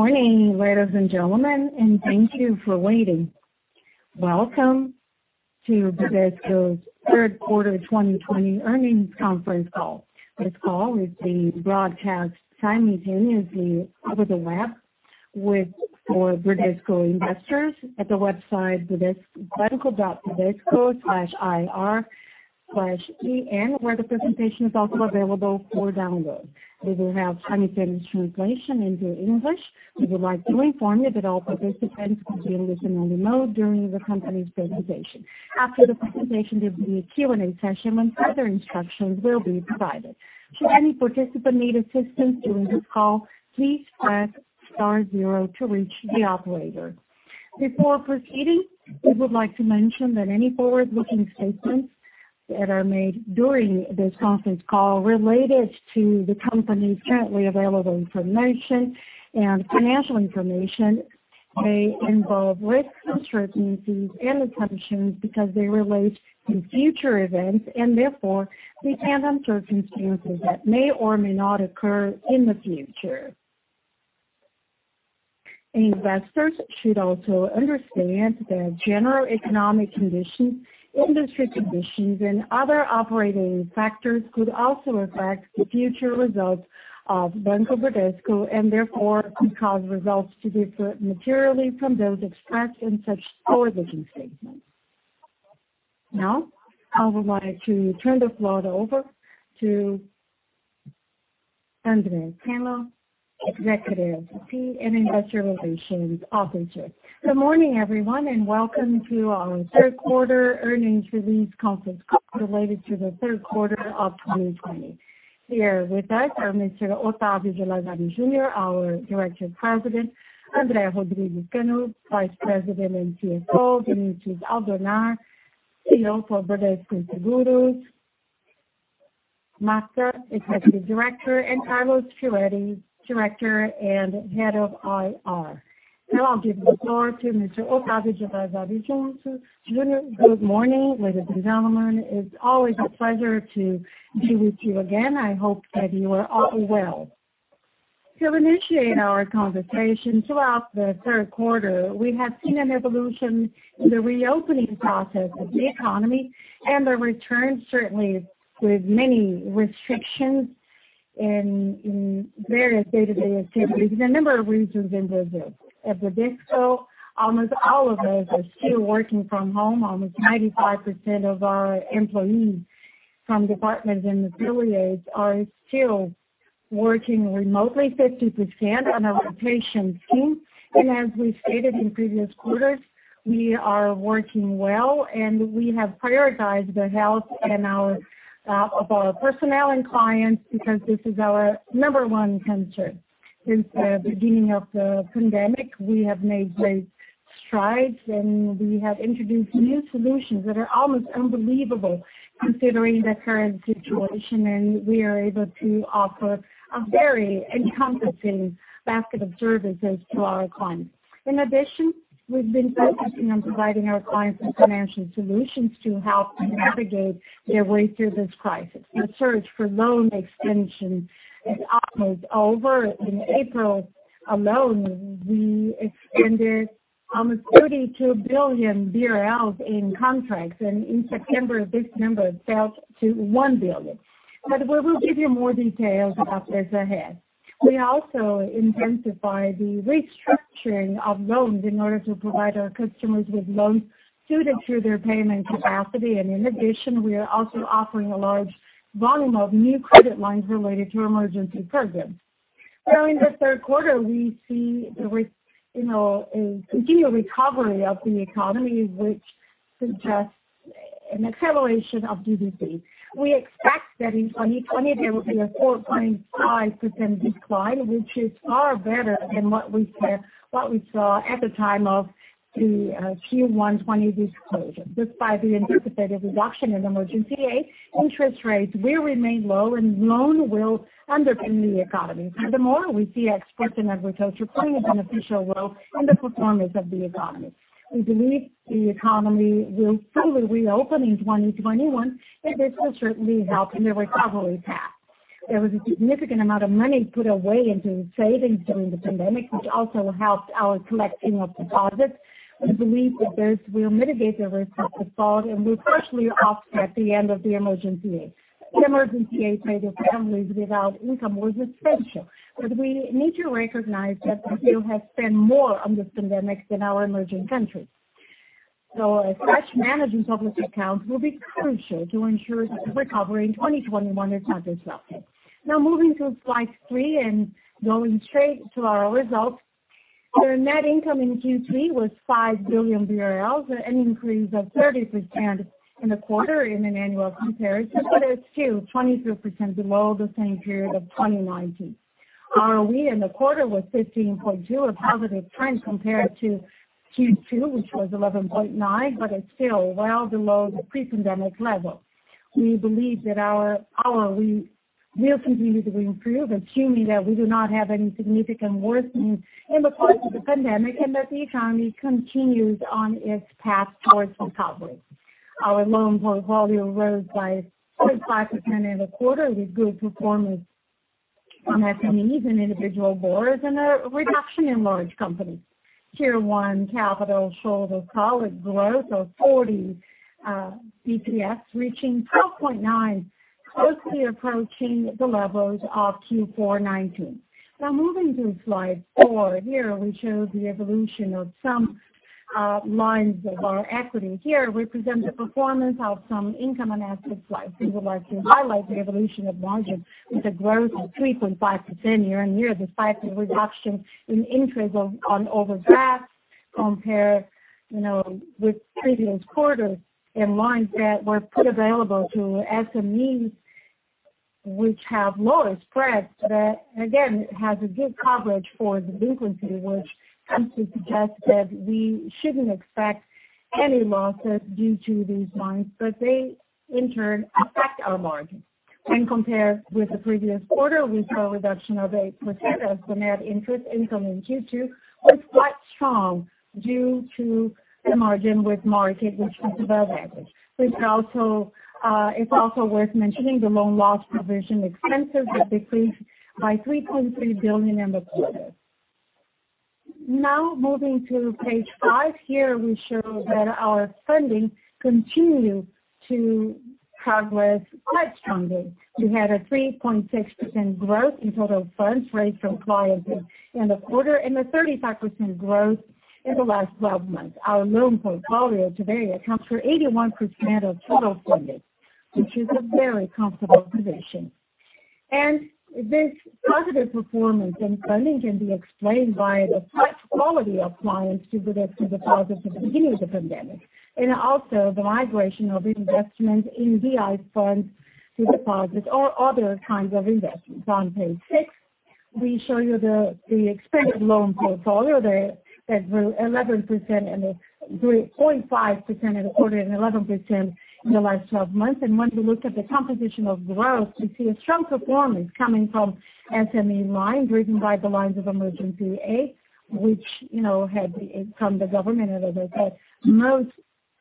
Good morning, ladies and gentlemen, and thank you for waiting. Welcome to Bradesco's third quarter 2020 earnings conference call. This call is being broadcast simultaneously for Bradesco investors at the website bradesco.bradesco/ir/en, where the presentation is also available for download. We will have simultaneous translation into English. We would like to inform you that all participants will be listening in remote during the company's presentation. After the presentation, there will be a Q&A session when further instructions will be provided. Should any participant need assistance during this call, please press star zero to reach the operator. Before proceeding, we would like to mention that any forward-looking statements that are made during this conference call related to the company's currently available information and financial information, may involve risks, uncertainties and assumptions because they relate to future events and therefore depend on circumstances that may or may not occur in the future. Investors should also understand that general economic conditions, industry conditions, and other operating factors could also affect the future results of Banco Bradesco and therefore could cause results to differ materially from those expressed in such forward-looking statements. Now, I would like to turn the floor over to Leandro de Miranda Araujo, Executive VP and Investor Relations Officer. Good morning, everyone, and welcome to our third quarter earnings release conference call related to the third quarter of 2020. Here with us are Mr. Octavio de Lazari Junior, our Director and President, André Rodrigues Cano, Vice President and CFO, Vinicius Albernaz, CEO for Bradesco Seguros, Marta, Executive Director, and Carlos Firetti, Director and Head of IR. I'll give the floor to Mr. Octavio de Lazari Junior. Good morning, ladies and gentlemen. It's always a pleasure to be with you again. I hope that you are all well. To initiate our conversation, throughout the third quarter, we have seen an evolution in the reopening process of the economy and the return, certainly, with many restrictions in various day-to-day activities in a number of regions in Brazil. At Bradesco, almost all of us are still working from home. Almost 95% of our employees from departments and affiliates are still working remotely, 50% on our operations team. As we stated in previous quarters, we are working well, and we have prioritized the health of our personnel and clients because this is our number one concern. Since the beginning of the pandemic, we have made great strides, and we have introduced new solutions that are almost unbelievable considering the current situation, and we are able to offer a very encompassing basket of services to our clients. In addition, we've been focusing on providing our clients with financial solutions to help navigate their way through this crisis. The search for loan extension is almost over. In April alone, we extended almost 32 billion BRL in contracts, and in September, this number fell to 1 billion. We will give you more details about this ahead. We also intensify the restructuring of loans in order to provide our customers with loans suited to their payment capacity. In addition, we are also offering a large volume of new credit lines related to emergency programs. In the third quarter, we see a continued recovery of the economy, which suggests an acceleration of GDP. We expect that in 2020, there will be a 4.5% decline, which is far better than what we saw at the time of the Q1 2020 disclosure. Despite the anticipated reduction in emergency aid, interest rates will remain low, and loan will underpin the economy. We see exports and agriculture playing a beneficial role in the performance of the economy. We believe the economy will fully reopen in 2021, and this will certainly help in the recovery path. There was a significant amount of money put away into savings during the pandemic, which also helped our collecting of deposits. We believe that this will mitigate the risk of default and will partially offset the end of the emergency aid. The emergency aid to families without income was essential, we need to recognize that Brazil has spent more on this pandemic than other emerging countries. As such, management of this account will be crucial to ensure that the recovery in 2021 is not disrupted. Moving to slide three and going straight to our results. The net income in Q3 was 5 billion BRL, an increase of 30% in the quarter in an annual comparison, but it's still 22% below the same period of 2019. ROE in the quarter was 15.2%, a positive trend compared to Q2, which was 11.9%, but it's still well below the pre-pandemic level. We believe that our ROE will continue to improve, assuming that we do not have any significant worsening in the course of the pandemic and that the economy continues on its path towards recovery. Our loan portfolio rose by 45% in the quarter with good performance on SMEs and individual borrowers and a reduction in large companies. Tier 1 capital showed a solid growth of 40 basis points, reaching 12.9, closely approaching the levels of Q4 2019. Moving to slide four. Here we show the evolution of some lines of our equity. Here we present the performance of some income and assets slides. We would like to highlight the evolution of margin with a growth of 3.5% year-over-year, despite the reduction in interest on overdrafts compared with previous quarters in lines that were put available to SMEs, which have lower spreads. That, again, has a good coverage for the delinquency, which tends to suggest that we shouldn't expect any losses due to these lines, but they in turn affect our margin. When compared with the previous quarter, we saw a reduction of 8% of the net interest income in Q2 was quite strong due to the margin with market, which was favorable. It's also worth mentioning the loan loss provision expenses decreased by 3.3 billion in the quarter. Moving to page five. Here we show that our funding continued to progress quite strongly. We had a 3.6% growth in total funds raised from clients in the quarter and a 35% growth in the last 12 months. Our loan portfolio today accounts for 81% of total funding, which is a very comfortable position. This positive performance in funding can be explained by the high quality of clients who redirect to deposits at the beginning of the pandemic, also the migration of investments in FI funds to deposits or other kinds of investments. On page six, we show you the expanded loan portfolio that grew 0.5% in the quarter and 11% in the last 12 months. When we look at the composition of growth, we see a strong performance coming from SME lines driven by the lines of emergency aid, which had come the government. Most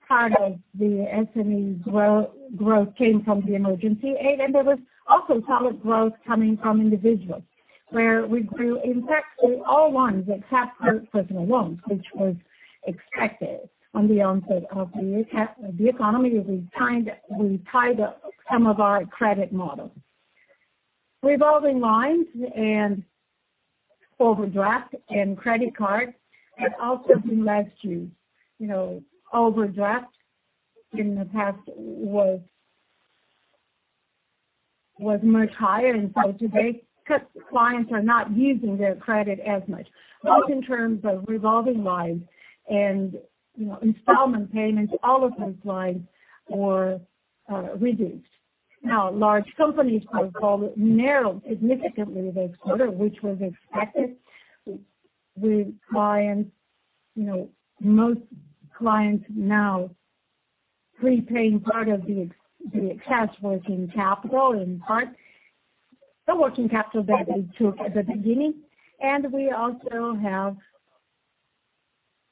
part of the SME growth came from the emergency aid. There was also solid growth coming from individuals, where we grew, in fact, in all lines except for personal loans, which was expected on the onset of the economy, as we tied up some of our credit models. Revolving lines and overdraft and credit cards have also been less used. Overdraft in the past was much higher than today because clients are not using their credit as much. Both in terms of revolving lines and installment payments, all of those lines were reduced. Large companies' portfolios narrowed significantly this quarter, which was expected with most clients now prepaying part of the excess working capital in part, the working capital that we took at the beginning. We also have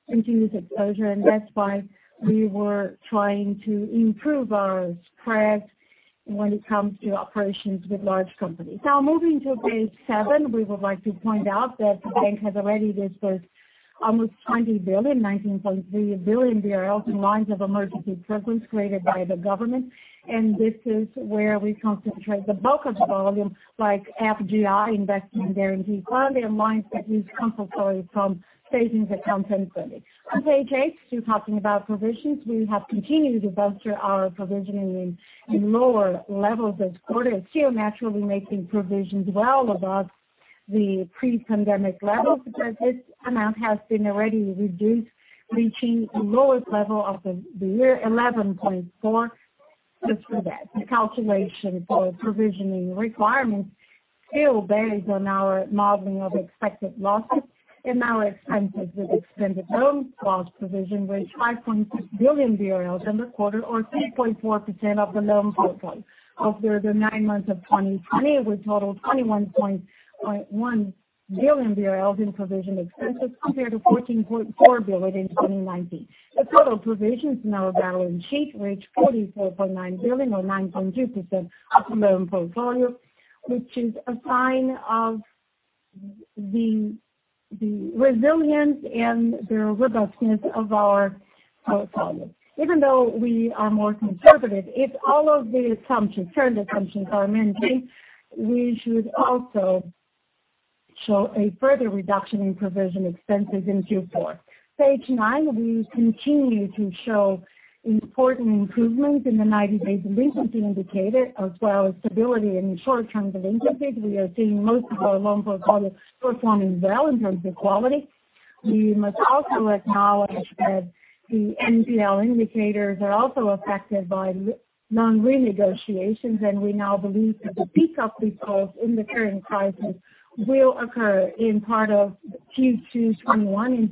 reduced exposure, and that's why we were trying to improve our spreads when it comes to operations with large companies. Moving to page seven, we would like to point out that the bank has already dispersed almost 20 billion, 19.3 billion BRL in lines of emergency programs created by the government. This is where we concentrate the bulk of volume like FGI, investing guarantees, guarantee lines that use compulsory from savings accounts and credits. On page eight, still talking about provisions, we have continued to bolster our provisioning in lower levels this quarter. Still naturally making provisions well above the pre-pandemic levels. This amount has been already reduced, reaching the lowest level of the year, 11.4, just for that. The calculation for provisioning requirements still based on our modeling of expected losses and our expenses with extended loan loss provision reached 5.6 billion BRL in the quarter, or 3.4% of the loan portfolio. After the nine months of 2020, we totaled 21.1 billion BRL in provision expenses compared to 14.4 billion in 2019. The total provisions in our balance sheet reached 44.9 billion, or 9.2% of the loan portfolio, which is a sign of the resilience and the robustness of our portfolio. Even though we are more conservative, if all of the current assumptions are maintained, we should also show a further reduction in provision expenses in Q4. Page nine, we continue to show important improvements in the 90-day delinquency indicator as well as stability in short terms of delinquencies. We are seeing most of our loan portfolio performing well in terms of quality. We must also acknowledge that the NPL indicators are also affected by non-renegotiations. We now believe that the peak of defaults in the current crisis will occur in part of Q2 2021 and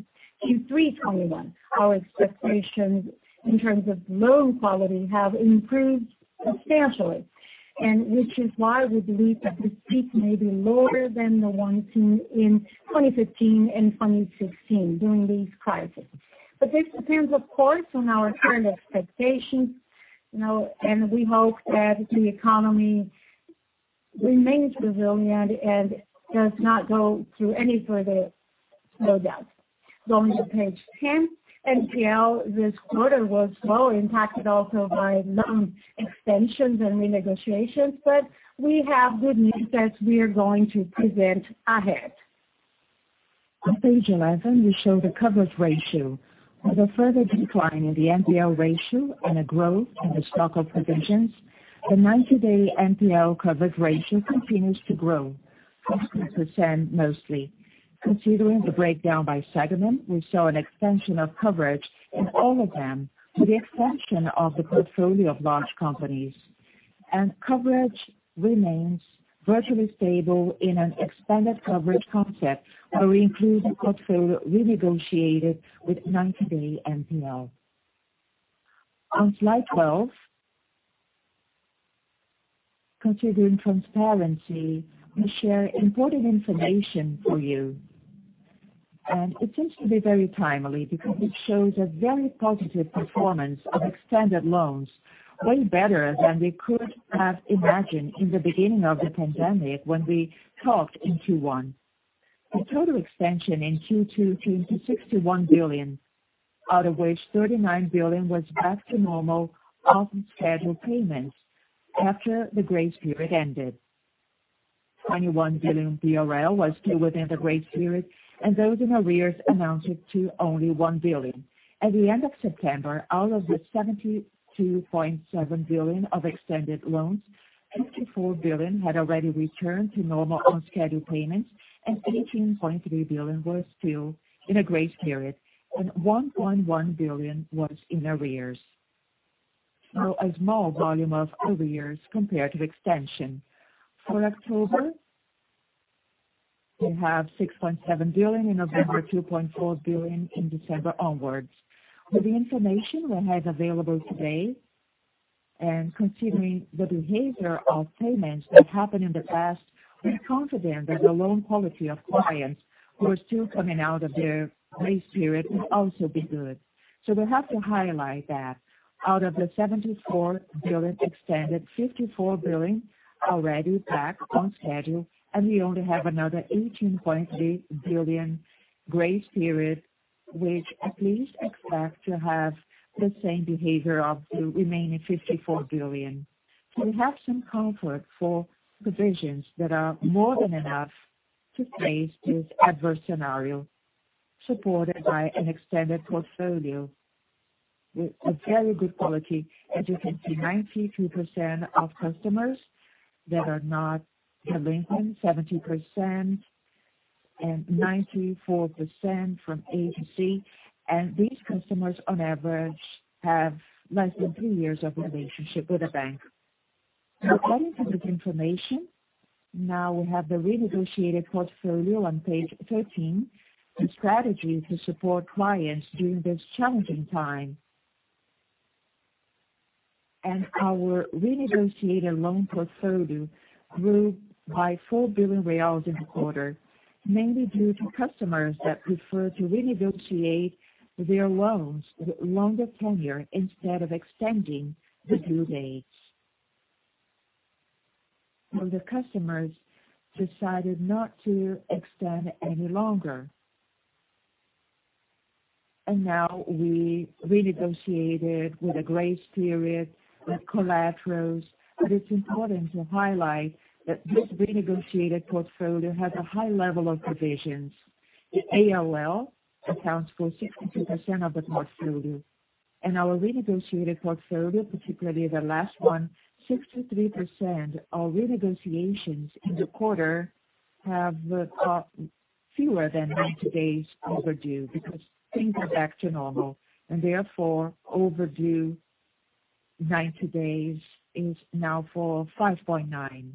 Q3 2021. Our expectations in terms of loan quality have improved substantially. Which is why we believe that this peak may be lower than the one in 2015 and 2016, during these crises. This depends, of course, on our current expectations, and we hope that the economy remains resilient and does not go through any further slowdowns. Going to page 10. NPL this quarter was well impacted also by loan extensions and renegotiations, but we have good news that we are going to present ahead. On page 11, we show the coverage ratio. With a further decline in the NPL ratio and a growth in the stock of provisions, the 90-day NPL coverage ratio continues to grow, 60% mostly. Considering the breakdown by segment, we saw an extension of coverage in all of them, with the exception of the portfolio of large companies. Coverage remains virtually stable in an expanded coverage concept, where we include the portfolio renegotiated with 90-day NPL. On slide 12, considering transparency, we share important information for you. It seems to be very timely because it shows a very positive performance of extended loans, way better than we could have imagined in the beginning of the pandemic when we talked in Q1. The total extension in Q2 came to 61 billion, out of which 39 billion was back to normal on-schedule payments after the grace period ended. 21 billion was still within the grace period, and those in arrears amounted to only 1 billion. At the end of September, out of the 72.7 billion of extended loans, 54 billion had already returned to normal on-schedule payments and 18.3 billion were still in a grace period, and 1.1 billion was in arrears. A small volume of arrears compared to the extension. For October, we have 6.7 billion, in November, 2.4 billion, in December onwards. With the information we have available today and considering the behavior of payments that happened in the past, we are confident that the loan quality of clients who are still coming out of their grace period will also be good. We have to highlight that out of the 74 billion extended, 54 billion already back on schedule, and we only have another 18.3 billion grace period, which at least expect to have the same behavior of the remaining 54 billion. We have some comfort for provisions that are more than enough to face this adverse scenario, supported by an extended portfolio with a very good quality. As you can see, 93% of customers that are not delinquent, 70% and 94% from A to C, and these customers, on average, have less than three years of relationship with the bank. According to this information, now we have the renegotiated portfolio on page 13, the strategy to support clients during this challenging time. Our renegotiated loan portfolio grew by 4 billion reais in the quarter, mainly due to customers that prefer to renegotiate their loans with longer tenure instead of extending the due dates. The customers decided not to extend any longer. Now we renegotiated with a grace period with collaterals. It's important to highlight that this renegotiated portfolio has a high level of provisions. The ALL accounts for 62% of the portfolio. Our renegotiated portfolio, particularly the last one, 63% of renegotiations in the quarter have fewer than 90 days overdue because things are back to normal, and therefore, overdue 90 days is now for 5.9%.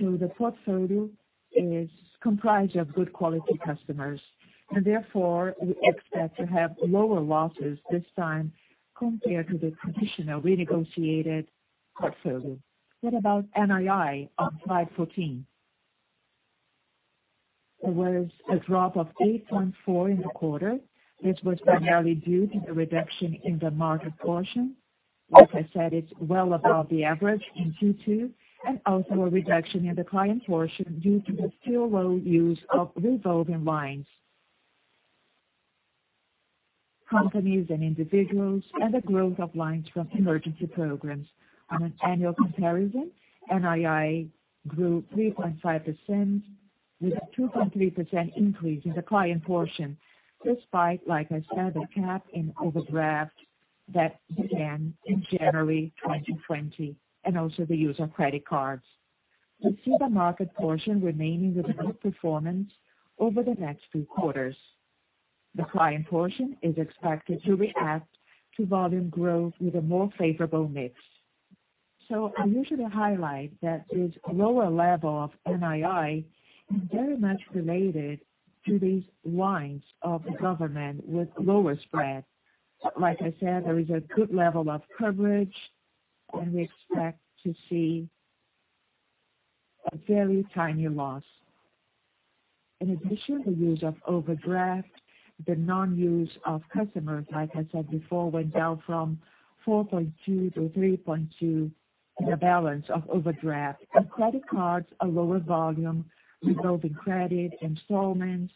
The portfolio is comprised of good quality customers, and therefore, we expect to have lower losses this time compared to the traditional renegotiated portfolio. What about NII on slide 14? There was a drop of 8.4% in the quarter. This was primarily due to the reduction in the market portion. Like I said, it's well above the average in Q2, and also a reduction in the client portion due to the still low use of revolving lines. Companies and individuals and the growth of lines from emergency programs. On an annual comparison, NII grew 3.5% with a 2.3% increase in the client portion, despite, like I said, the cap in overdraft that began in January 2020, and also the use of credit cards. We see the market portion remaining with a good performance over the next two quarters. The client portion is expected to react to volume growth with a more favorable mix. I'm here to highlight that this lower level of NII is very much related to these lines of government with lower spread. Like I said, there is a good level of coverage, and we expect to see a very tiny loss. In addition, the use of overdraft, the non-use of customers, like I said before, went down from 4.2 to 3.2 in the balance of overdraft. Credit cards are lower volume, revolving credit, installments,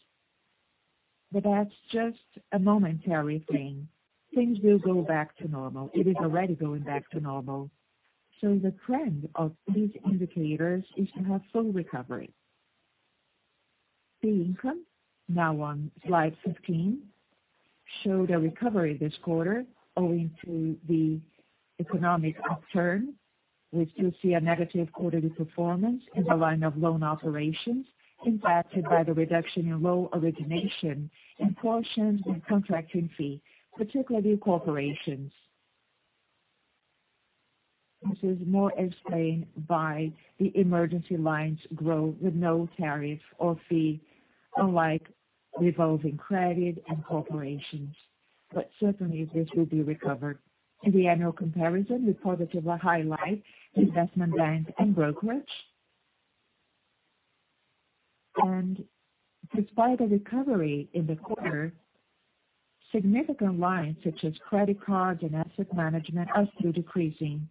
but that's just a momentary thing. Things will go back to normal. It is already going back to normal. The trend of these indicators is to have full recovery. The income, now on slide 15, showed a recovery this quarter owing to the economic upturn. We still see a negative quarterly performance in the line of loan operations impacted by the reduction in loan origination and portions and contracting fee, particularly in corporations. This is more explained by the emergency lines growth with no tariff or fee, unlike revolving credit and corporations. Certainly, this will be recovered. In the annual comparison, we positively highlight investment bank and brokerage. Despite a recovery in the quarter, significant lines such as credit cards and asset management are still decreasing.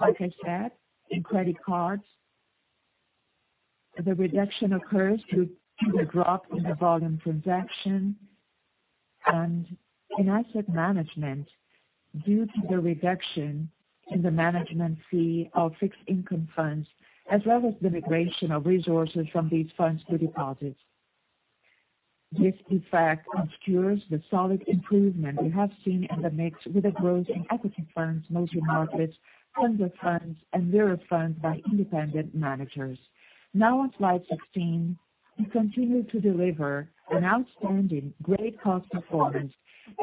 Like I said, in credit cards, the reduction occurs due to the drop in the volume transaction. In asset management, due to the reduction in the management fee of fixed income funds, as well as the migration of resources from these funds to deposits. This effect obscures the solid improvement we have seen in the mix with a growth in equity funds, mostly markets, tender funds, and mirror funds by independent managers. On slide 16, we continue to deliver an outstanding great cost performance,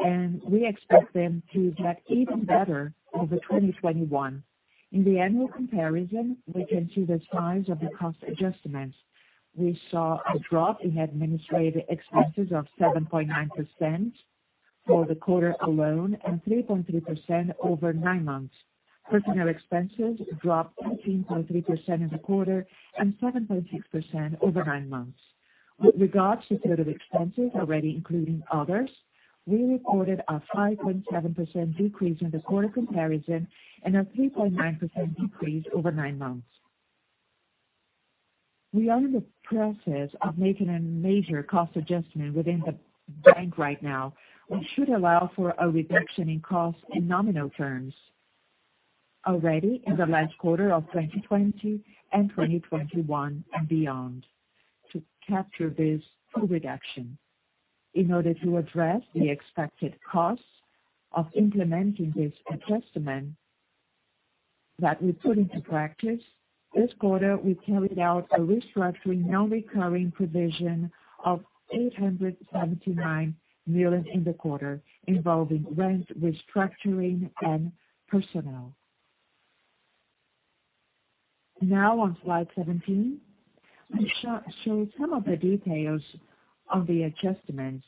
and we expect them to get even better over 2021. In the annual comparison, we can see the signs of the cost adjustments. We saw a drop in administrative expenses of 7.9% for the quarter alone and 3.3% over nine months. Personnel expenses dropped 18.3% in the quarter and 7.6% over nine months. With regards to total expenses already including others, we reported a 5.7% decrease in the quarter comparison and a 3.9% decrease over nine months. We are in the process of making a major cost adjustment within the bank right now, which should allow for a reduction in cost in nominal terms already in the last quarter of 2020 and 2021 and beyond to capture this full reduction. In order to address the expected costs of implementing this adjustment that we put into practice, this quarter we carried out a restructuring non-recurring provision of 879 million in the quarter, involving rent restructuring and personnel. Now on slide 17, we show some of the details of the adjustments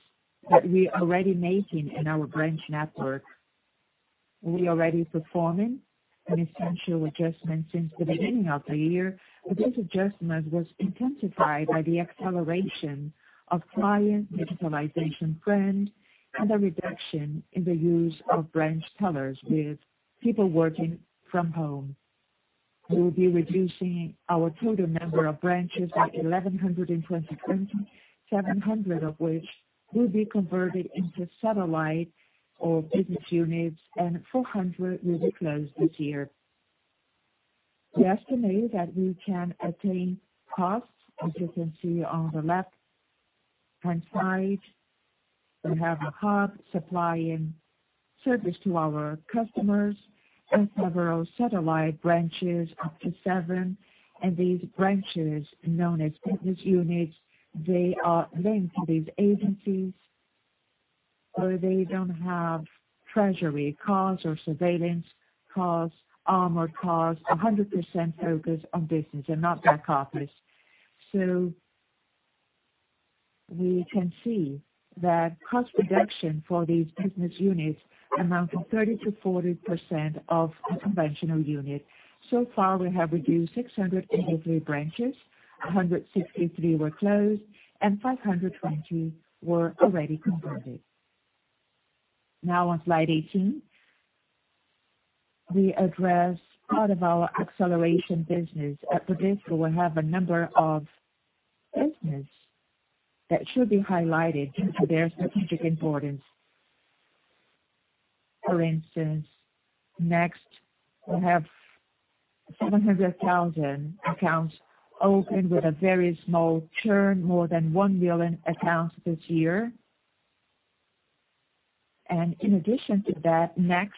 that we're already making in our branch network. We're already performing an essential adjustment since the beginning of the year, but this adjustment was intensified by the acceleration of client digitalization trend and a reduction in the use of branch tellers with people working from home. We will be reducing our total number of branches by 1,100 in 2020, 700 of which will be converted into satellite or business units, and 400 will be closed this year. We estimate that we can attain costs, as you can see on the left-hand side. We have a hub supplying service to our customers and several satellite branches, up to seven. These branches, known as business units, they are linked to these agencies where they don't have treasury costs or surveillance costs, armor costs, 100% focused on business and not back office. We can see that cost reduction for these business units amount to 30%-40% of a conventional unit. So far, we have reduced 683 branches, 163 were closed and 520 were already converted. On slide 18, we address part of our acceleration business. At Bradesco, we have a number of business that should be highlighted due to their strategic importance. For instance, Next, we have 700,000 accounts opened with a very small churn, more than one million accounts this year. In addition to that, Next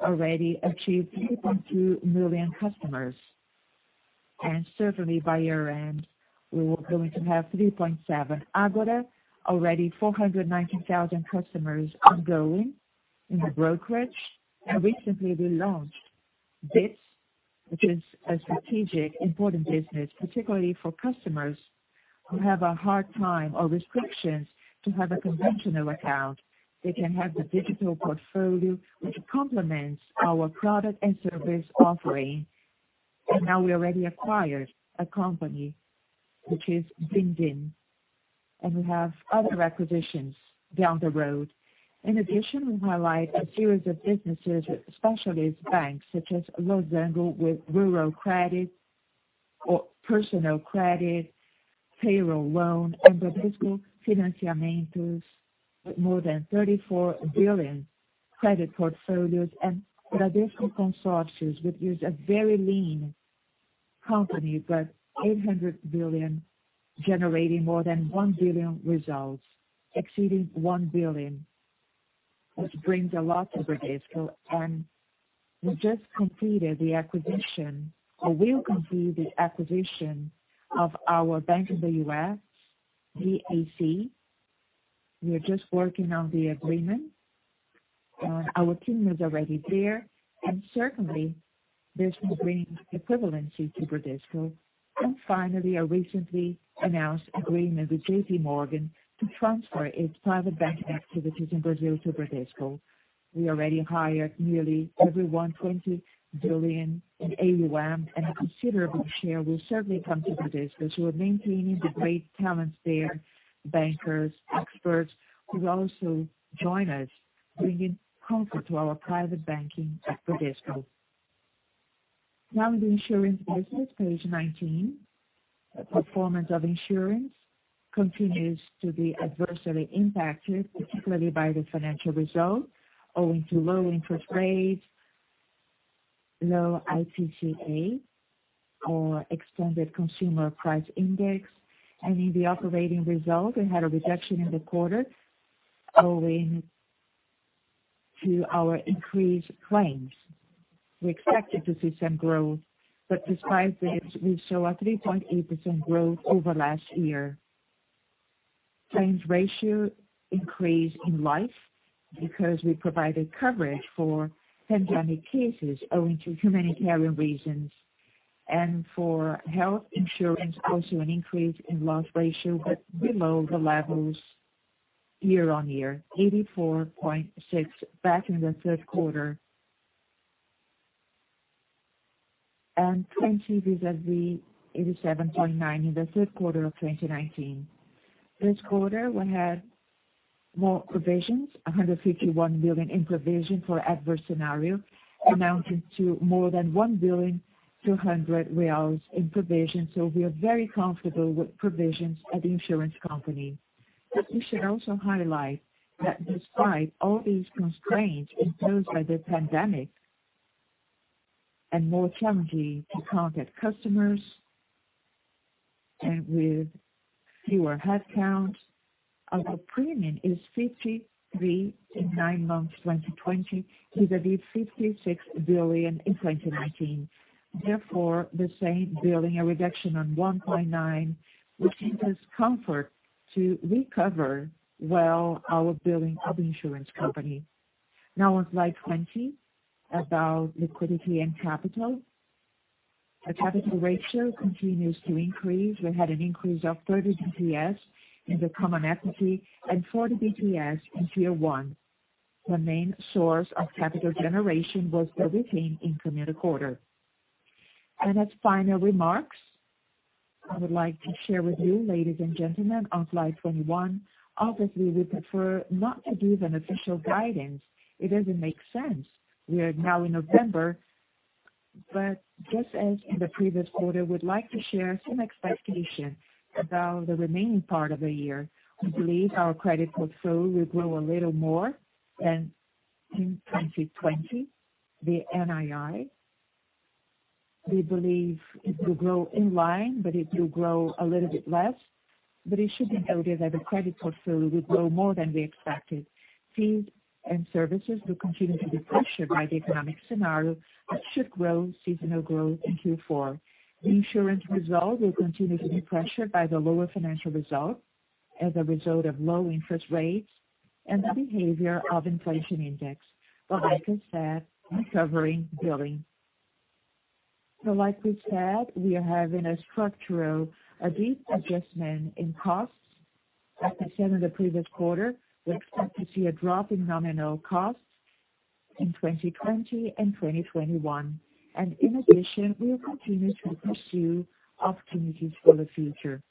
already achieved 3.2 million customers. Certainly by year-end, we are going to have 3.7 million. Ágora, already 490,000 customers ongoing in the brokerage. Recently we launched this, which is a strategic important business, particularly for customers who have a hard time or restrictions to have a conventional account. They can have the digital portfolio, which complements our product and service offering. Now we already acquired a company, which is DinDin, and we have other acquisitions down the road. In addition, we highlight a series of businesses with specialist banks such as Losango with rural credit or personal credit, payroll loan and Bradesco Financiamentos, with more than 34 billion credit portfolios and Bradesco Consórcios, which is a very lean company, but 800 billion, generating more than 1 billion results, exceeding 1 billion. This brings a lot to Bradesco. We just completed the acquisition or will complete the acquisition of our bank in the U.S., BAC. We are just working on the agreement. Our team is already there and certainly this will bring equivalency to Bradesco. Finally, our recently announced agreement with JPMorgan to transfer its private bank activities in Brazil to Bradesco. We already hired nearly everyone, 20 billion in AUM and a considerable share will certainly come to Bradesco. We're maintaining the great talents there, bankers, experts who will also join us, bringing comfort to our private banking at Bradesco. The insurance business, page 19. The performance of insurance continues to be adversely impacted, particularly by the financial results owing to low interest rates, low IPCA or extended consumer price index. In the operating result, we had a reduction in the quarter owing to our increased claims. We expected to see some growth, despite this, we show a 3.8% growth over last year. Claims ratio increased in life because we provided coverage for pandemic cases owing to humanitarian reasons and for health insurance, also an increase in loss ratio, but below the levels year-on-year, 84.6 back in the third quarter and 20 vis-a-vis 87.9 in the third quarter of 2019. This quarter, we had more provisions, 151 million in provision for adverse scenario, amounting to more than 1.2 billion in provisions. We are very comfortable with provisions at the insurance company. We should also highlight that despite all these constraints imposed by the pandemic and more challenging to contact customers and with fewer headcounts, our premium is 53 billion in nine months 2020 vis-a-vis 56 billion in 2019. Therefore, the same billion, a reduction on 1.9 billion, which gives us comfort to recover well our BRL billion of insurance company. On slide 20, about liquidity and capital. Our capital ratio continues to increase. We had an increase of 30 basis points in the common equity and 40 basis points in Tier 1. The main source of capital generation was the retain in current quarter. As final remarks, I would like to share with you, ladies and gentlemen, on slide 21, obviously, we prefer not to give an official guidance. It doesn't make sense. We are now in November, but just as in the previous quarter, we'd like to share some expectations about the remaining part of the year. We believe our credit portfolio will grow a little more than in 2020. The NII, we believe it will grow in line, but it will grow a little bit less. It should be noted that the credit portfolio will grow more than we expected. Fees and services will continue to be pressured by the economic scenario, should grow seasonal growth in Q4. The insurance result will continue to be pressured by the lower financial results as a result of low interest rates and the behavior of inflation index. Like I said, recovering BRL billion. Like we said, we are having a structural, deep adjustment in costs at the end of the previous quarter. We expect to see a drop in nominal costs in 2020 and 2021. In addition, we will continue to pursue opportunities for the future.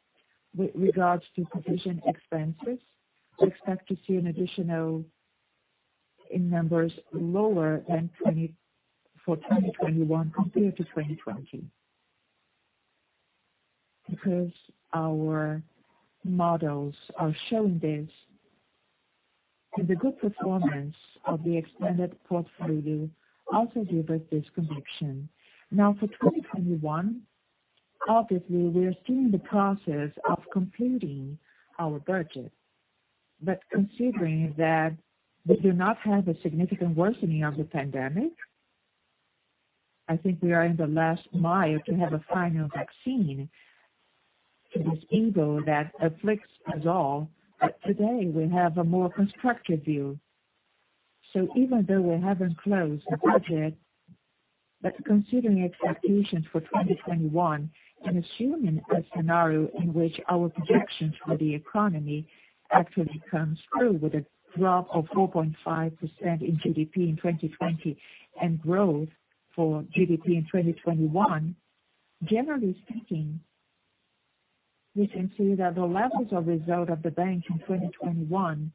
With regards to provision expenses, we expect to see an additional in numbers lower for 2021 compared to 2020 because our models are showing this and the good performance of the expanded portfolio also gives us this conviction. For 2021, obviously, we are still in the process of completing our budget. Considering that we do not have a significant worsening of the pandemic, I think we are in the last mile to have a final vaccine to this evil that afflicts us all. Today we have a more constructive view. Even though we haven't closed the budget, but considering expectations for 2021 and assuming a scenario in which our projections for the economy actually comes through with a drop of 4.5% in GDP in 2020 and growth for GDP in 2021, generally speaking, we can see that the levels of result of the bank in 2021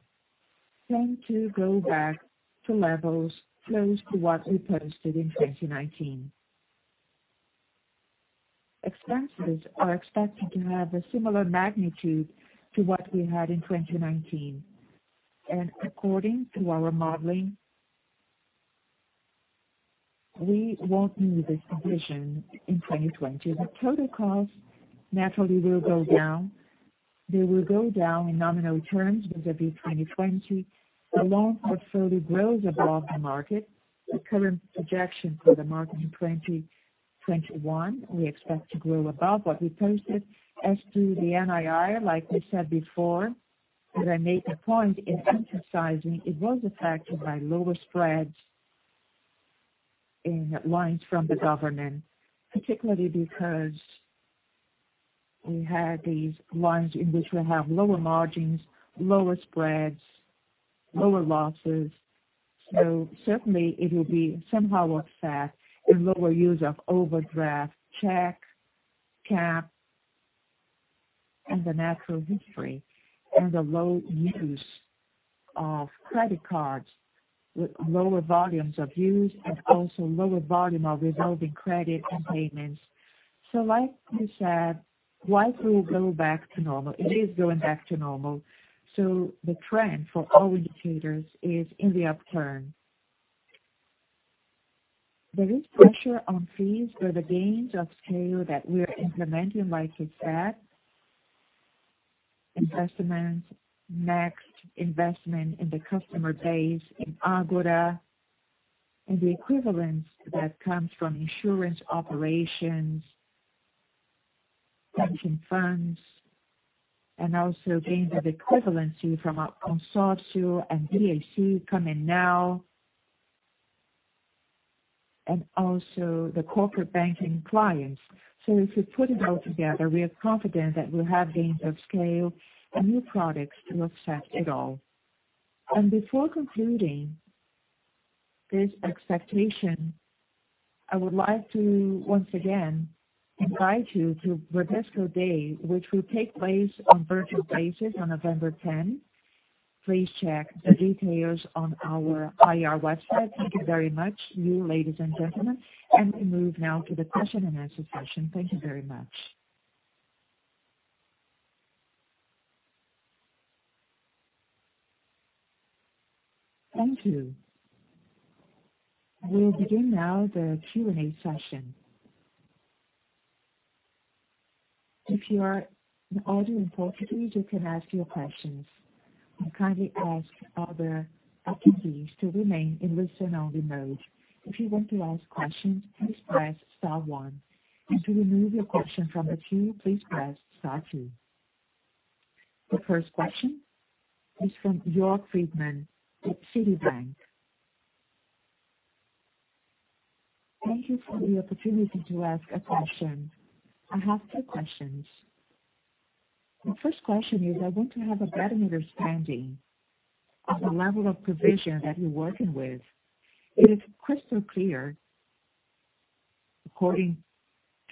tend to go back to levels close to what we posted in 2019. Expenses are expected to have a similar magnitude to what we had in 2019, and according to our modeling, we won't need this provision in 2020. The total cost naturally will go down. They will go down in nominal terms vis-a-vis 2020. The loan portfolio grows above the market. The current projection for the market in 2021, we expect to grow above what we posted. As to the NII, like we said before, that I made a point in emphasizing, it was affected by lower spreads in lines from the government. Particularly because we had these lines in which we have lower margins, lower spreads, lower losses. Certainly it will be somehow offset in lower use of overdraft, check, CAP, and the natural history, and the low use of credit cards with lower volumes of use and also lower volume of revolving credit and payments. Like we said, life will go back to normal. It is going back to normal. The trend for all indicators is in the upturn. There is pressure on fees, the gains of scale that we're implementing, like we said, investments, Next investment in the customer base in Ágora and the equivalence that comes from insurance operations, pension funds, and also gains of equivalency from our consórcio and BAC coming now, and also the corporate banking clients. If you put it all together, we are confident that we'll have gains of scale and new products to offset it all. Before concluding this expectation, I would like to once again invite you to Bradesco Day, which will take place on virtual basis on November 10. Please check the details on our IR website. Thank you very much, you ladies and gentlemen. We move now to the question and answer session. Thank you very much. Thank you. We will begin now the Q&A session. If you are an audio participant, you can ask your questions. I kindly ask other attendees to remain in listen only mode. If you want to ask questions, please press star one. To remove your question from the queue, please press star two. The first question is from Yuri Fernandes with Citibank. Thank you for the opportunity to ask a question. I have two questions. The first question is I want to have a better understanding of the level of provision that you're working with. It is crystal clear, according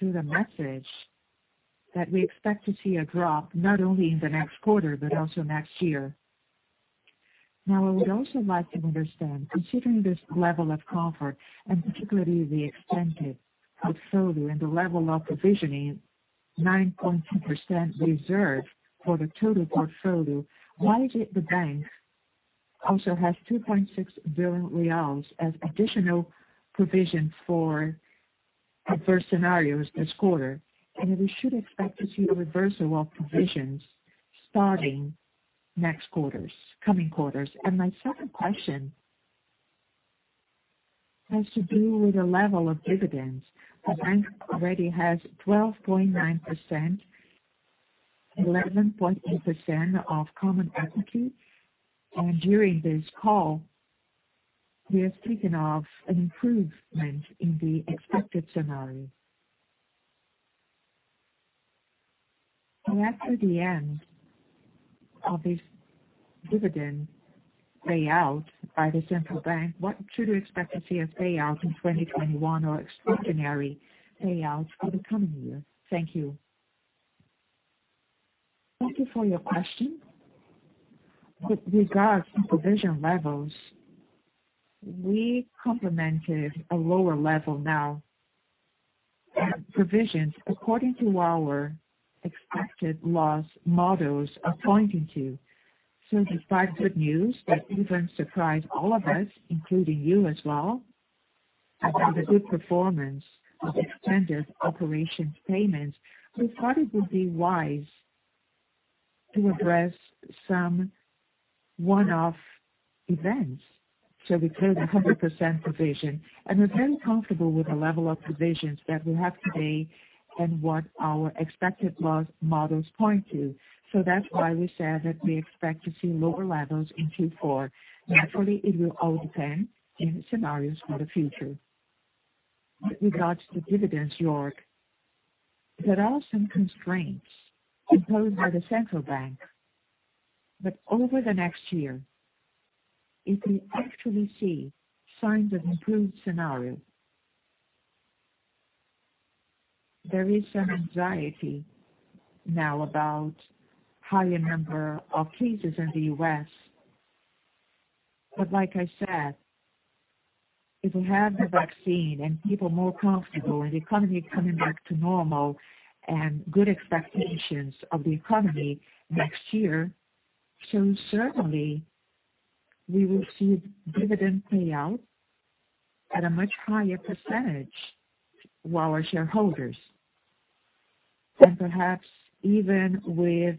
to the message, that we expect to see a drop not only in the next quarter, but also next year. I would also like to understand, considering this level of comfort and particularly the extended portfolio and the level of provisioning, 9.2% reserve for the total portfolio. Why is it the bank also has 2.6 billion reais as additional provisions for adverse scenarios this quarter? We should expect to see a reversal of provisions starting next quarters, coming quarters. My second question has to do with the level of dividends. The bank already has 12.9%, 11.8% of common equity. During this call, we have taken off an improvement in the expected scenario. After the end of this dividend payout by the Central Bank, what should we expect to see as payout in 2021 or extraordinary payouts for the coming year? Thank you. Thank you for your question. With regards to provision levels, we contemplated a lower level now, and provisions according to our expected loss models are pointing to. Despite good news that even surprised all of us, including you as well, about the good performance of extended operations payments, we thought it would be wise to address some one-off events. We took 100% provision, and we are very comfortable with the level of provisions that we have today and what our expected loss models point to. That is why we said that we expect to see lower levels in Q4. Naturally, it will all depend on the scenarios for the future. With regards to dividends, Yuri, there are some constraints imposed by the Central Bank. Over the next year, if we actually see signs of improved scenario. There is some anxiety now about higher number of cases in the U.S. Like I said, if we have the vaccine and people more comfortable and the economy coming back to normal and good expectations of the economy next year, certainly we will see dividend payout at a much higher % to our shareholders. Perhaps even with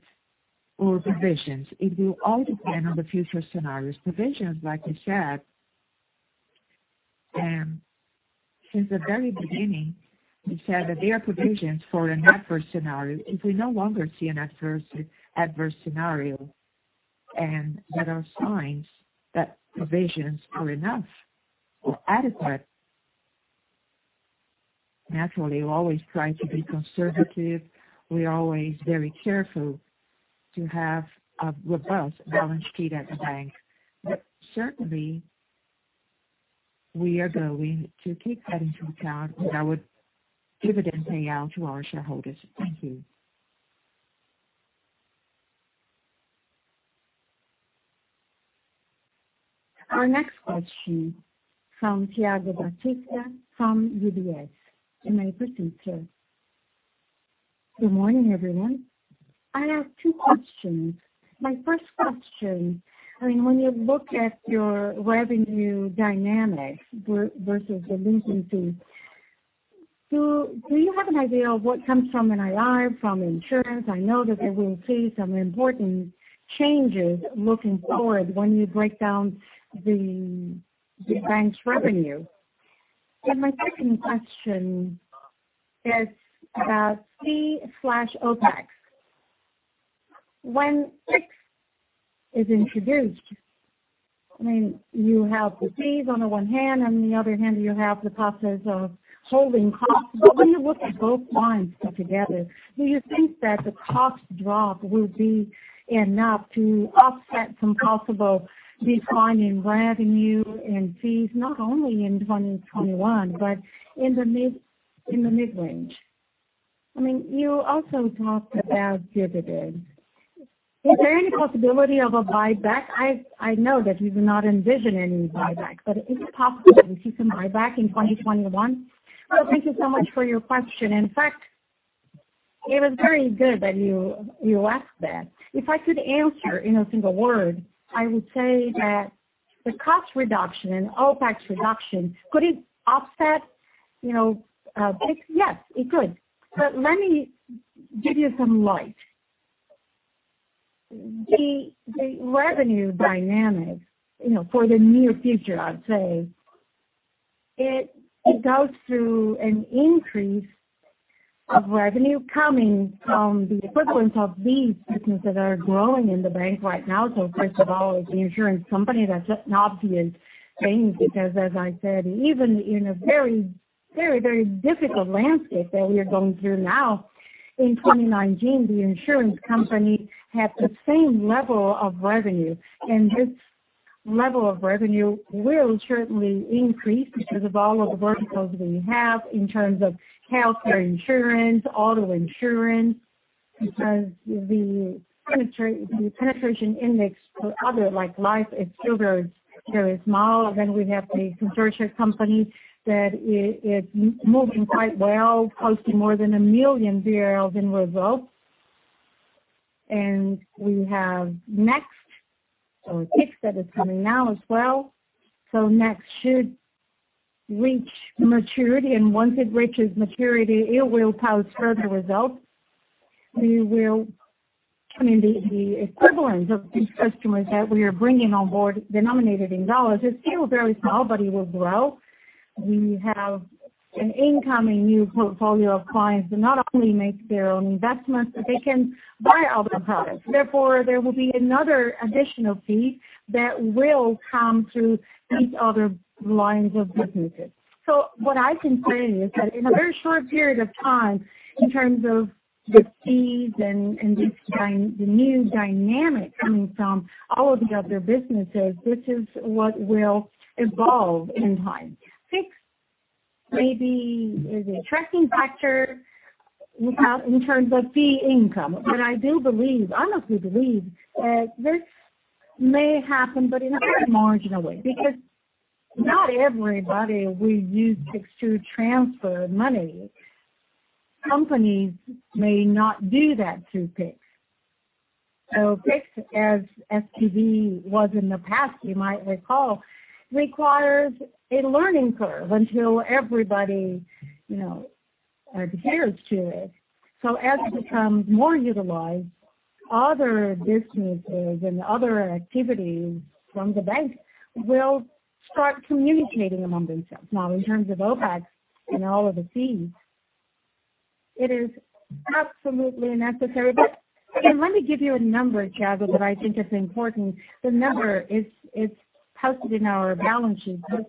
more provisions. It will all depend on the future scenarios. Provisions, like we said, since the very beginning, we said that they are provisions for an adverse scenario. If we no longer see an adverse scenario and there are signs that provisions are enough or adequate, naturally, we always try to be conservative. We are always very careful to have a robust balance sheet at the bank. Certainly, we are going to keep that into account when there are dividend payout to our shareholders. Thank you. Our next question from Thiago Batista from UBS. The line is open, sir. Good morning, everyone. I have 2 questions. My first question, when you look at your revenue dynamics versus the lending fees, do you have an idea of what comes from NIR, from insurance? I know that we will see some important changes looking forward when you break down the bank's revenue. My second question is about fee/OpEx. When Pix is introduced, you have the fees on the one hand, and on the other hand, you have the process of holding costs. When you look at both lines put together, do you think that the cost drop will be enough to offset some possible decline in revenue and fees, not only in 2021, but in the mid-range? You also talked about dividends. Is there any possibility of a buyback? I know that you do not envision any buyback, but is it possible to see some buyback in 2021? Thank you so much for your question. In fact, it was very good that you asked that. If I could answer in a single word, I would say that the cost reduction and OpEx reduction, could it offset Pix? Yes, it could. Let me give you some light. The revenue dynamics, for the near future, I'd say, it goes through an increase of revenue coming from the equivalent of these businesses that are growing in the bank right now. First of all, the insurance company, that's an obvious thing, because as I said, even in a very difficult landscape that we are going through now, in 2019, the insurance company had the same level of revenue. This level of revenue will certainly increase because of all of the verticals we have in terms of healthcare insurance, auto insurance, because the penetration index for other, like life, is still very small. We have the consórcio company that is moving quite well, posting more than 1 million in results. We have Next. Pix that is coming now as well. Next should reach maturity, and once it reaches maturity, it will post further results. The equivalent of these customers that we are bringing on board denominated in dollars is still very small, but it will grow. We have an incoming new portfolio of clients that not only make their own investments, but they can buy other products. Therefore, there will be another additional fee that will come through these other lines of businesses. What I can say is that in a very short period of time, in terms of the fees and the new dynamic coming from all of the other businesses, this is what will evolve in time. Pix maybe is a attracting factor in terms of fee income. I honestly believe that this may happen, but in a very marginal way, because not everybody will use Pix to transfer money. Companies may not do that through Pix. Pix, as TED was in the past, you might recall, requires a learning curve until everybody- Adheres to it. As it becomes more utilized, other businesses and other activities from the bank will start communicating among themselves. In terms of OpEx and all of the fees, it is absolutely necessary. And let me give you a number, Tiazal, that I think is important. The number is posted in our balance sheet, but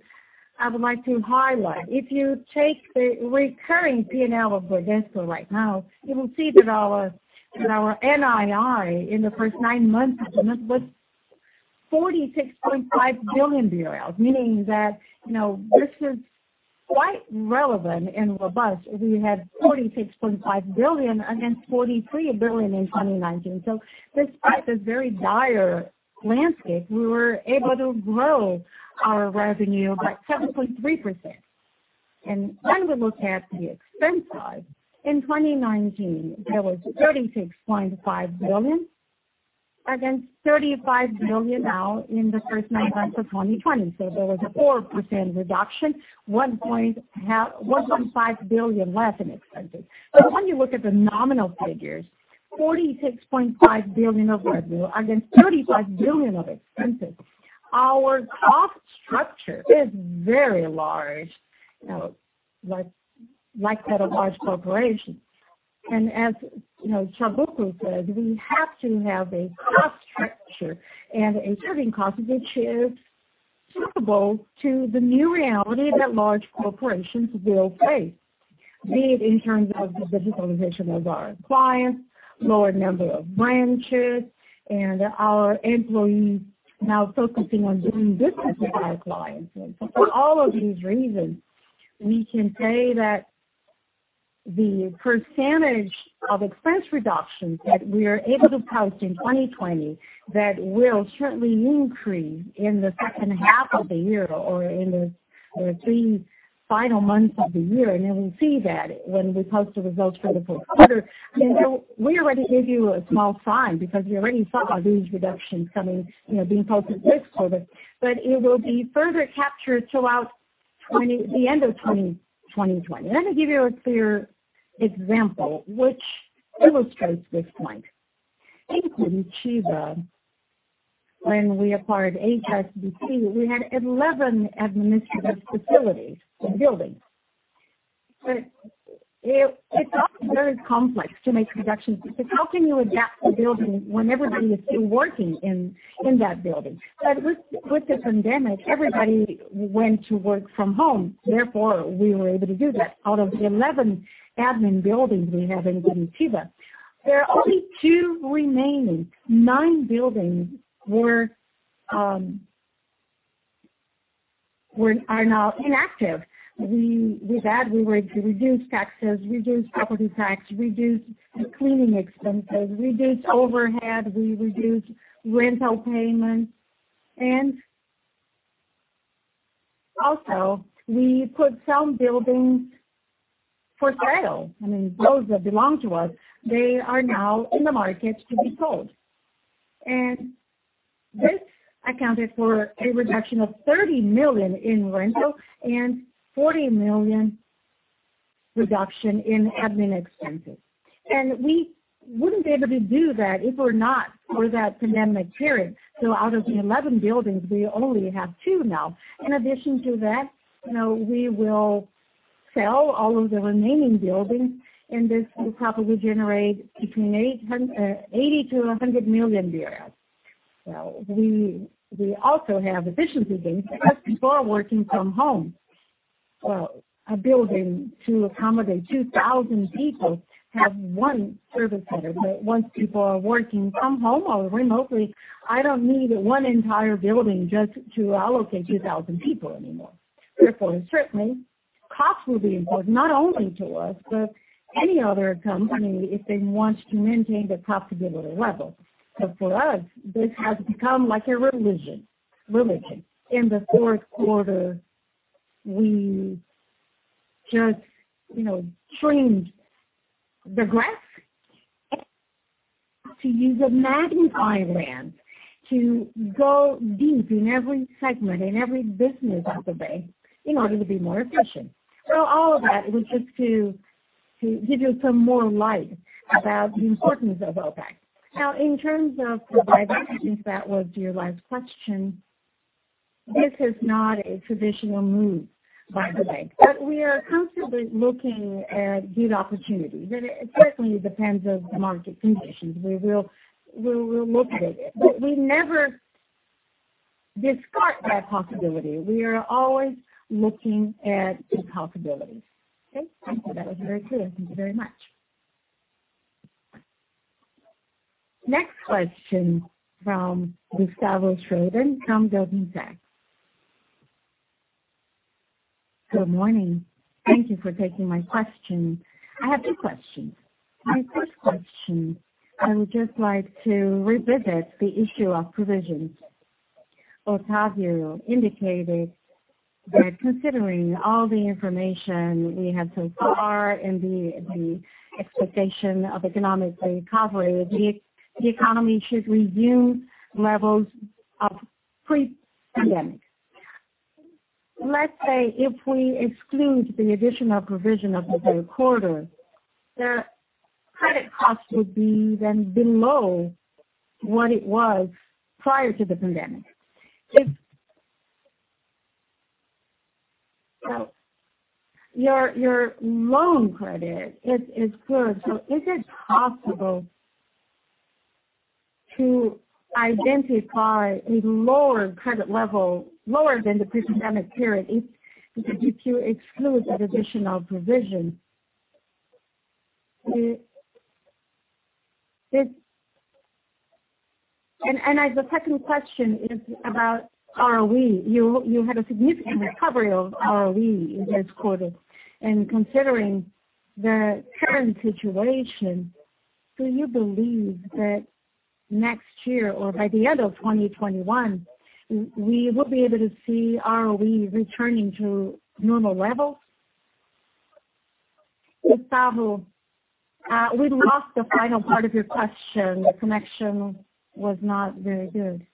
I would like to highlight. If you take the recurring P&L of Bradesco right now, you will see that our NII in the first nine months was 46.5 billion, meaning that this is quite relevant and robust. We had 46.5 billion against 43 billion in 2019. Despite the very dire landscape, we were able to grow our revenue by 7.3%. When we look at the expense side, in 2019, there was 36.5 billion against 35 billion now in the first nine months of 2020. There was a 4% reduction, 1.5 billion less in expenses. When you look at the nominal figures, 46.5 billion of revenue against 35 billion of expenses. Our cost structure is very large, like that of large corporations. As Chaubuko said, we have to have a cost structure and a serving cost which is suitable to the new reality that large corporations will face, be it in terms of the digitalization of our clients, lower number of branches, and our employees now focusing on doing business with our clients. For all of these reasons, we can say that the percentage of expense reductions that we are able to post in 2020, that will certainly increase in the second half of the year or in the three final months of the year. You will see that when we post the results for the fourth quarter. We already gave you a small sign because we already saw these reductions coming, being posted this quarter. It will be further captured throughout the end of 2020. Let me give you a clear example which illustrates this point. In Curitiba, when we acquired HSBC, we had 11 administrative facilities or buildings. It's also very complex to make reductions because how can you adapt a building when everybody is still working in that building? With the pandemic, everybody went to work from home, therefore, we were able to do that. Out of the 11 admin buildings we have in Curitiba, there are only two remaining. Nine buildings are now inactive. With that, we were able to reduce taxes, reduce property tax, reduce cleaning expenses, reduce overhead, we reduced rental payments. We also put some buildings for sale. Those that belong to us, they are now in the market to be sold. This accounted for a reduction of 30 million in rental and 40 million reduction in admin expenses. We wouldn't be able to do that if were not for that pandemic period. Out of the 11 buildings, we only have two now. In addition to that, we will sell all of the remaining buildings, and this will probably generate between 80 million-100 million. We also have efficiency gains because people are working from home. A building to accommodate 2,000 people have one service center. Once people are working from home or remotely, I don't need one entire building just to allocate 2,000 people anymore. Therefore, certainly, costs will be involved not only to us but any other company if they want to maintain the profitability level. Because for us, this has become like a religion. In the fourth quarter, we just trimmed the grass to use a magnet island to go deep in every segment, in every business of the bank in order to be more efficient. All of that was just to give you some more light about the importance of OpEx. Now, in terms of provisions, I think that was your last question. This is not a traditional move by the bank. We are constantly looking at good opportunities. It certainly depends on the market conditions. We will look at it. We never discard that possibility. We are always looking at new possibilities. Okay, thank you. That was very clear. Thank you very much. Next question from Gustavo Schroden from Goldman Sachs. Good morning. Thank you for taking my question. I have two questions. My first question, I would just like to revisit the issue of provisions. Octavio indicated that considering all the information we have so far and the expectation of economic recovery, the economy should resume levels of pre-pandemic. Let's say if we exclude the additional provision of the whole quarter, the credit cost would be then below what it was prior to the pandemic. Your loan credit is good, so is it possible to identify a lower credit level, lower than the pre-pandemic period if you exclude the additional provision? The second question is about ROE. You had a significant recovery of ROE in this quarter, and considering the current situation, do you believe that next year or by the end of 2021, we will be able to see ROE returning to normal levels? Guilherme, we lost the final part of your question. The connection was not very good.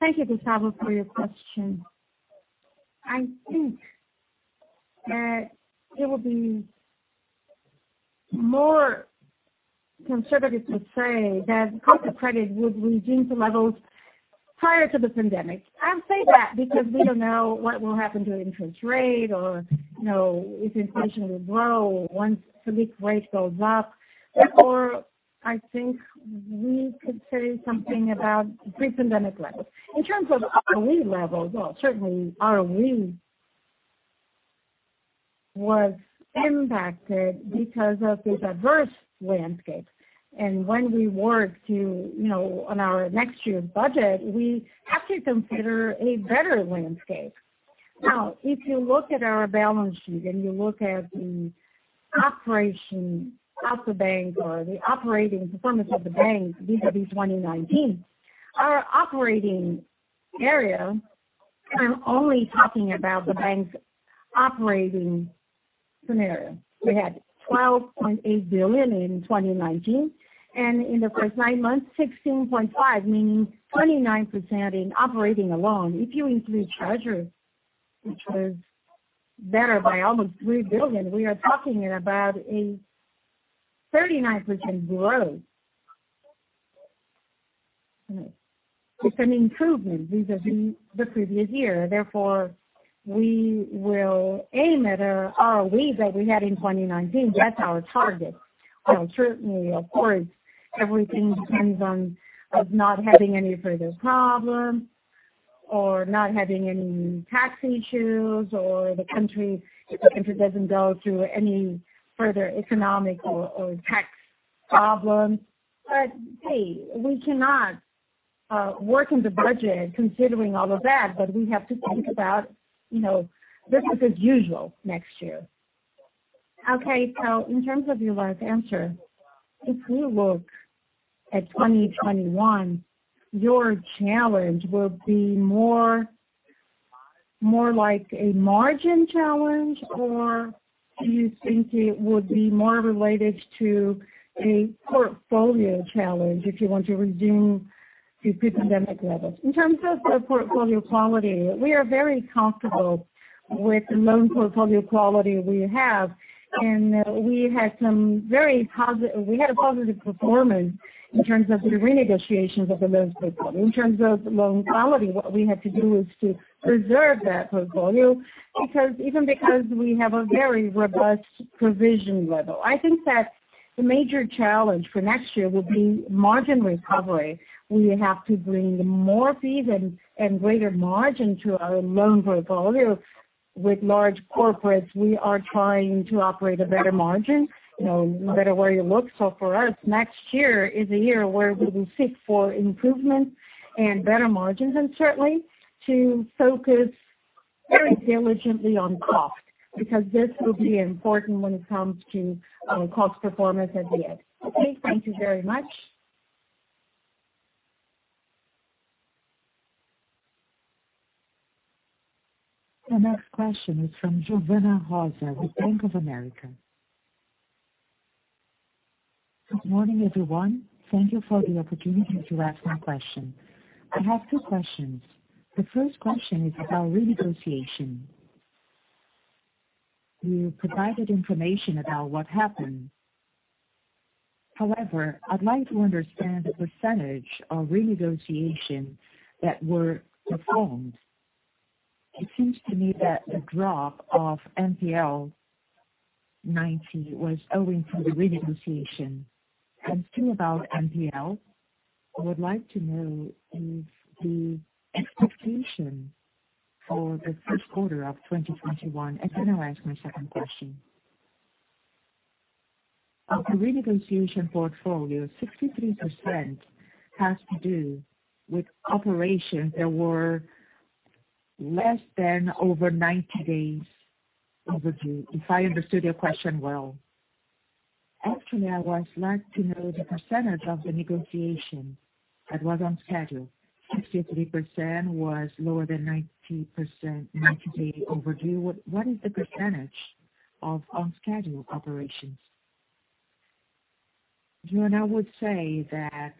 Thank you, Guilherme, for your question. I think that it will be more conservative to say that cost of credit would redeem to levels prior to the pandemic. I say that because we don't know what will happen to interest rate or if inflation will grow once Selic rate goes up, I think we could say something about pre-pandemic levels. In terms of ROE levels, well, certainly ROE was impacted because of this adverse landscape. When we work to on our next year's budget, we have to consider a better landscape. Now, if you look at our balance sheet and you look at the operation of the bank or the operating performance of the bank vis-a-vis 2019, our operating area, I'm only talking about the bank's operating scenario. We had 12.8 billion in 2019, and in the first nine months, 16.5, meaning 29% in operating alone. If you include treasury, which was better by almost 3 billion, we are talking about a 39% growth. It's an improvement vis-a-vis the previous year. Therefore, we will aim at a ROE that we had in 2019. That's our target. Certainly, of course, everything depends on us not having any further problems or not having any tax issues or if the country doesn't go through any further economic or tax problems. Hey, we cannot work in the budget considering all of that, but we have to think about business as usual next year. Okay. In terms of your last answer, if you look at 2021, your challenge will be more like a margin challenge, or do you think it would be more related to a portfolio challenge if you want to resume to pre-pandemic levels? In terms of our portfolio quality, we are very comfortable with the loan portfolio quality we have, and we had a positive performance in terms of the renegotiations of the loans portfolio. In terms of loan quality, what we had to do is to preserve that portfolio even because we have a very robust provision level. I think that the major challenge for next year will be margin recovery. We have to bring more fees and greater margin to our loan portfolio. With large corporates, we are trying to operate a better margin, no matter where you look. For us, next year is a year where we will seek for improvements and better margins, and certainly to focus very diligently on cost, because this will be important when it comes to cost performance at the end. Okay. Thank you very much. The next question is from Giovanna Rosa with Bank of America. Good morning, everyone. Thank you for the opportunity to ask some questions. I have two questions. The first question is about renegotiation. You provided information about what happened. I'd like to understand the % of renegotiation that were performed. It seems to me that the drop of NPL:90 was owing to the renegotiation. Two, about NPL, I would like to know if the expectation for the first quarter of 2021 Then I'll ask my second question. Of the renegotiation portfolio, 63% has to do with operations that were less than over 90 days overdue, if I understood your question well. Actually, I would like to know the percentage of the negotiation that was on-schedule. 63% was lower than 90% overdue. What is the percentage of on-schedule operations? Giovanna, I would say that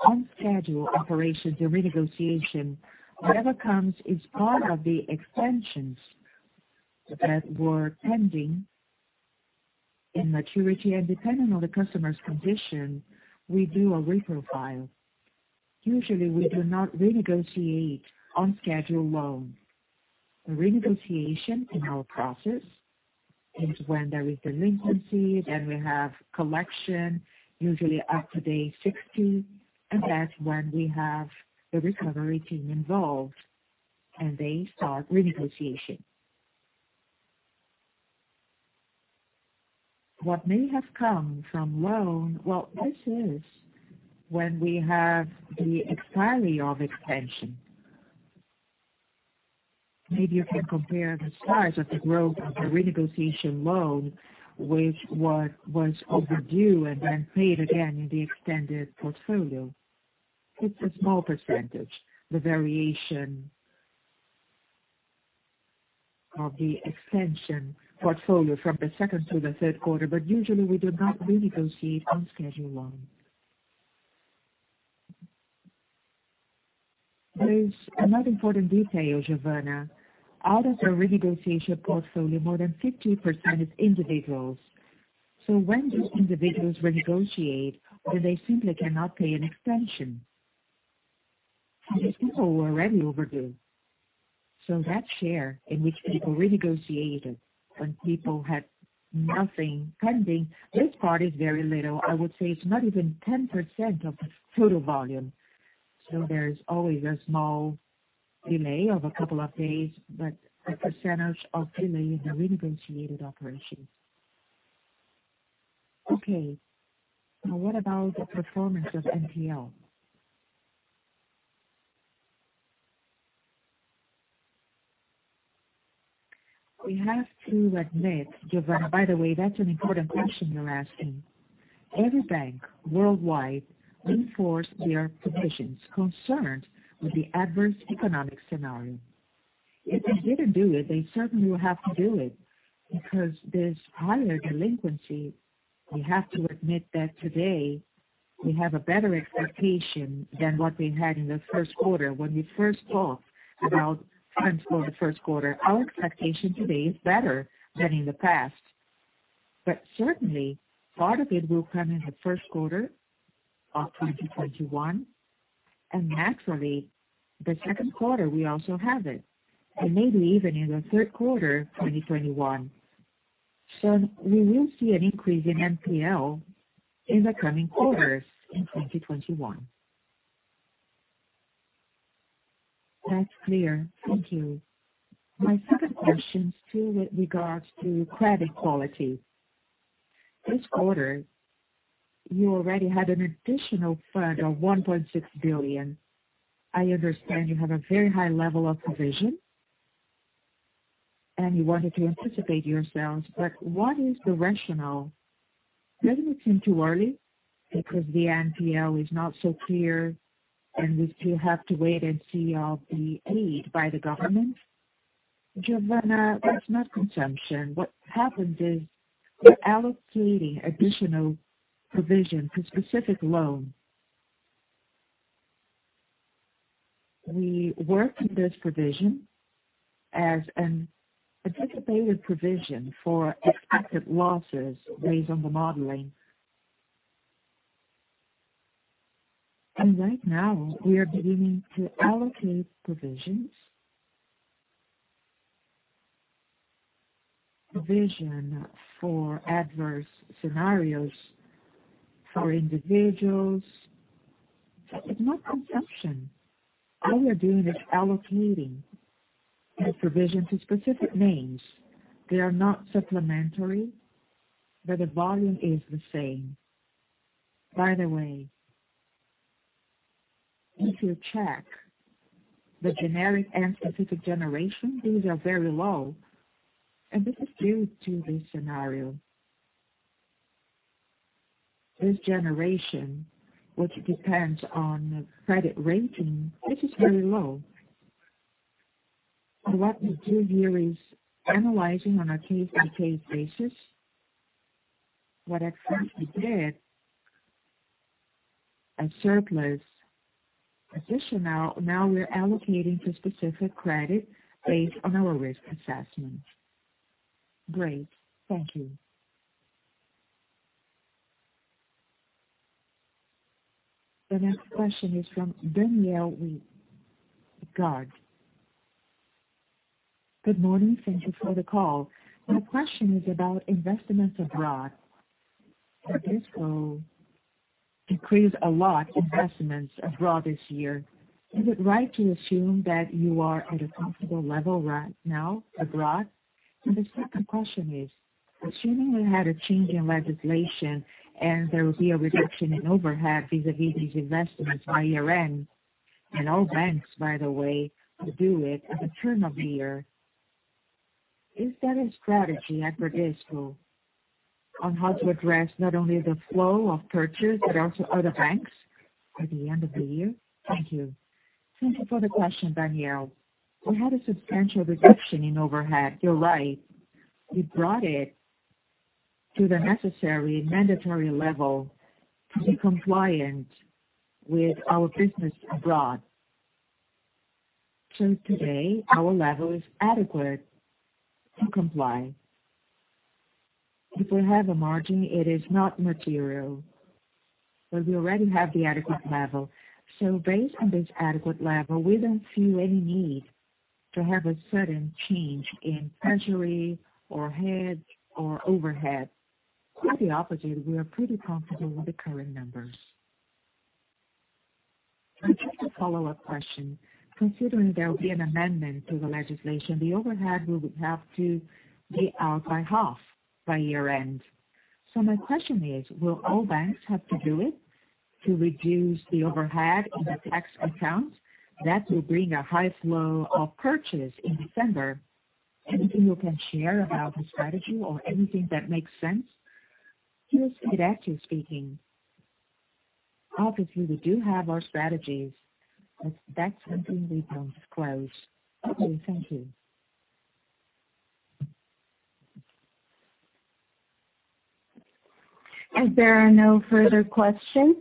on-schedule operations, the renegotiation, whatever comes, is part of the extensions that were pending in maturity and depending on the customer's condition, we do a reprofile. Usually, we do not renegotiate on-schedule loans. A renegotiation in our process is when there is delinquency, then we have collection usually after day 60, and that's when we have the recovery team involved and they start renegotiation. What may have come from Well, this is when we have the expiry of extension. Maybe you can compare the size of the growth of the renegotiation loan with what was overdue and then paid again in the extended portfolio. It's a small percentage, the variation of the extension portfolio from the second to the third quarter, but usually we do not renegotiate on-schedule loans. There is another important detail, Giovanna. Out of the renegotiation portfolio, more than 50% is individuals. When these individuals renegotiate, then they simply cannot pay an extension. These people were already overdue. That share in which people renegotiated when people had nothing pending, this part is very little. I would say it's not even 10% of the total volume. There is always a small delay of a couple of days, but the percentage of delay in the renegotiated operations. Okay, now what about the performance of NPL? We have to admit, Giovanna. By the way, that's an important question you're asking. Every bank worldwide reinforced their provisions concerned with the adverse economic scenario. If they didn't do it, they certainly will have to do it because there's higher delinquency. We have to admit that today we have a better expectation than what we had in the first quarter. When we first talked about trends for the first quarter, our expectation today is better than in the past. Certainly, part of it will come in the first quarter of 2021, and naturally, the second quarter, we also have it. Maybe even in the third quarter 2021. We will see an increase in NPL in the coming quarters in 2021. That's clear. Thank you. My second question is still with regards to credit quality. This quarter, you already had an additional fund of 1.6 billion. I understand you have a very high level of provision, and you wanted to anticipate yourselves, but what is the rationale? Doesn't it seem too early because the NPL is not so clear and we still have to wait and see of the aid by the government? Giovanna, that's not consumption. What happens is we're allocating additional provision to specific loans. We work with this provision as an anticipated provision for expected losses based on the modeling. Right now, we are beginning to allocate provisions. Provision for adverse scenarios for individuals. It's not consumption. All we are doing is allocating the provision to specific names. They are not supplementary, but the volume is the same. By the way, if you check the generic and specific generation, these are very low, and this is due to this scenario. This generation, which depends on the credit rating, this is very low. What we do here is analyzing on a case-by-case basis what at first we did a surplus additional, now we're allocating to specific credit based on our risk assessment. Great. Thank you. The next question is from Danielle Garde. Good morning. Thank you for the call. My question is about investments abroad. Bradesco increased a lot investments abroad this year. Is it right to assume that you are at a comfortable level right now abroad? The second question is, assuming you had a change in legislation and there will be a reduction in overhead vis-à-vis these investments by year-end, and all banks, by the way, will do it at the turn of the year, is that a strategy at Bradesco on how to address not only the flow of purchase but also other banks by the end of the year? Thank you. Thank you for the question, Daniel. We had a substantial reduction in overhead. You're right. We brought it to the necessary mandatory level to be compliant with our business abroad. Today, our level is adequate to comply. If we have a margin, it is not material, we already have the adequate level. Based on this adequate level, we don't feel any need to have a sudden change in treasury or heads or overhead. Quite the opposite, we are pretty comfortable with the current numbers. I have a follow-up question. Considering there will be an amendment to the legislation, the overhead will have to be out by half by year-end. My question is, will all banks have to do it to reduce the overhead in the tax account that will bring a high flow of purchase in December? Anything you can share about the strategy or anything that makes sense? Yes, it's active speaking. We do have our strategies. That's something we don't disclose. Okay, thank you. As there are no further questions,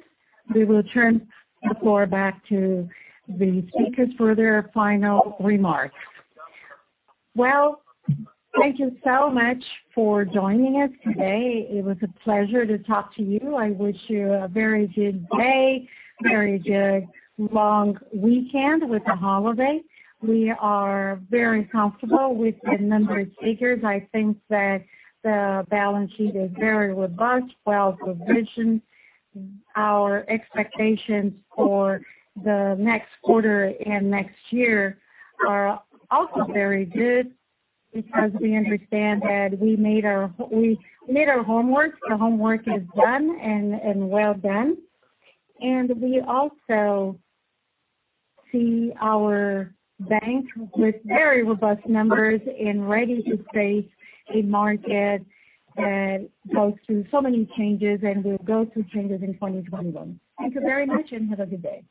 we will turn the floor back to the speakers for their final remarks. Thank you so much for joining us today. It was a pleasure to talk to you. I wish you a very good day, very good long weekend with the holiday. We are very comfortable with the number of figures. I think that the balance sheet is very robust, well provisioned. Our expectations for the next quarter and next year are also very good because we understand that we made our homework. The homework is done and well done. We also see our bank with very robust numbers and ready to face a market that goes through so many changes and will go through changes in 2021. Thank you very much, and have a good day.